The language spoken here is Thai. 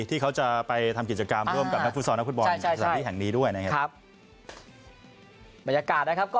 ที่เขาจะไปทำกิจกรรมร่วมกับนักฟุตซอลนักฟุตบอลในสถานที่แห่งนี้ด้วยนะครับ